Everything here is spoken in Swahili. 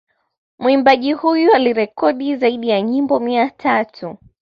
Mwimbaji huyu alirekodi zaidi ya nyimbo mia tatu